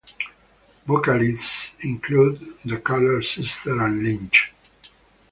Vocalists included the Keller Sisters and Lynch.